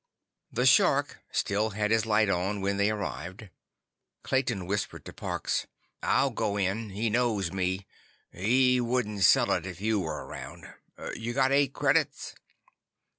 The Shark still had his light on when they arrived. Clayton whispered to Parks: "I'll go in. He knows me. He wouldn't sell it if you were around. You got eight credits?"